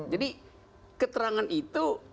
jadi keterangan itu